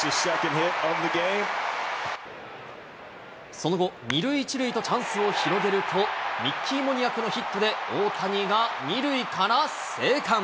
その後、２塁１塁とチャンスを広げると、ミッキー・モニアクのヒットで大谷が２塁から生還。